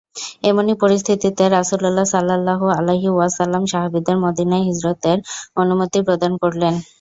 এমনি পরিস্থিতিতে রাসূলুল্লাহ সাল্লাল্লাহু আলাইহি ওয়াসাল্লাম সাহাবীদের মদীনায় হিজরতের অনুমতি প্রদান করলেন।